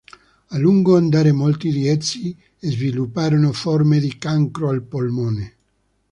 A lungo andare molti di essi svilupparono forme di cancro al polmone.